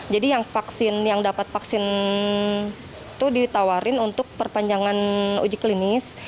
jadi yang vaksin yang dapat vaksin itu ditawarin untuk perpanjangan uji klinis